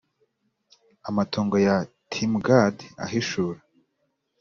Amatongo ya timgad ahishura